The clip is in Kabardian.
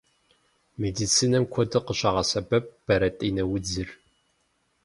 Медицинэм куэду къыщагъэсэбэп бэрэтӏинэ удзыр.